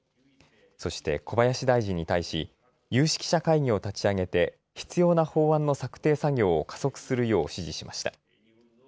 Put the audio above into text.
そして小林大臣に対し有識者会議を立ち上げて必要な法案の策定作業を加速するよう指示しました。